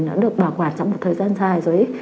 nó được bảo quản trong một thời gian dài rồi